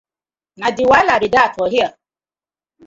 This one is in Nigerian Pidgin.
Na de wahala bi dat for here.